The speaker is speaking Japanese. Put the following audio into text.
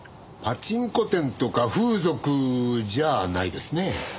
パチンコ店とか風俗じゃないですね。